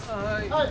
はい。